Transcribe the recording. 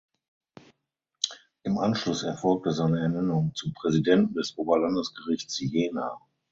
Im Anschluss erfolgte seine Ernennung zum Präsidenten des Oberlandesgerichts Jena.